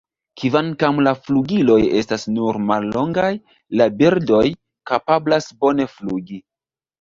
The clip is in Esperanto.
Kvankam la flugiloj estas nur mallongaj, la birdoj kapablas bone flugi.